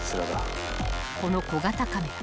［この小型カメラ